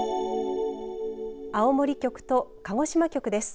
青森局と鹿児島局です。